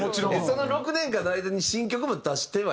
その６年間の間に新曲も出してはいるんでしょ？